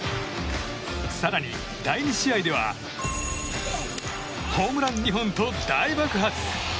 更に、第２試合ではホームラン２本と大爆発。